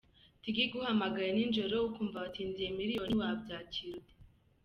igo Iguhamagara n’ijoro, ukumva watsindiye "miliyoni wabyakiriye ute?.